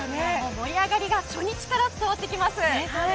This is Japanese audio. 盛り上がりが初日から伝わってきます。